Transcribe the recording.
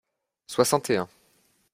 soixante et un.